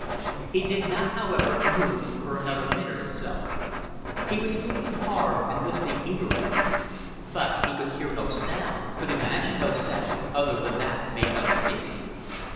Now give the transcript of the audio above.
He did not, however, move for another minute or so. He was thinking hard, and listening eagerly. But he could hear no sound, could imagine no sound, other than that made by the wind.